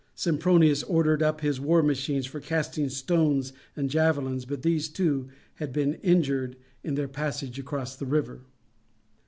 Sempronius ordered up his war machines for casting stones and javelins, but these too had been injured in their passage across the river.